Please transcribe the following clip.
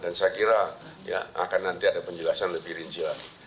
dan saya kira ya akan nanti ada penjelasan lebih rinci lagi